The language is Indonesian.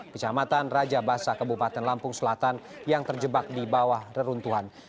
kecamatan raja basa kabupaten lampung selatan yang terjebak di bawah reruntuhan